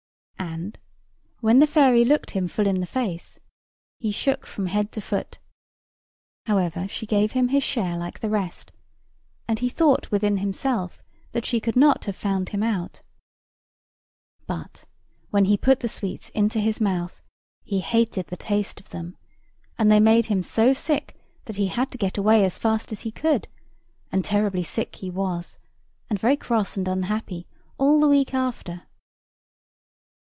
And, when the fairy looked him full in the face, he shook from head to foot: however she gave him his share like the rest, and he thought within himself that she could not have found him out. But, when he put the sweets into his mouth, he hated the taste of them; and they made him so sick that he had to get away as fast as he could; and terribly sick he was, and very cross and unhappy, all the week after.